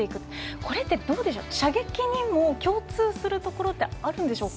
これって射撃にも共通するところってあるんでしょうか。